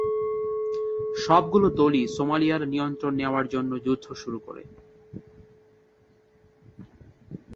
সবগুলো দলই সোমালিয়ার নিয়ন্ত্রণ নেওয়ার জন্য যুদ্ধ শুরু করে।